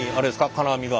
金網が？